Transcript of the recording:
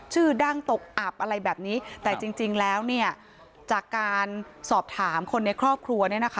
ชื่อดั้งตกอับอะไรแบบนี้แต่จริงแล้วจากการสอบถามคนในครอบครัว